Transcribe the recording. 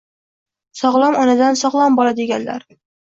Sog‘lom onadan sog‘lom bola, deganlar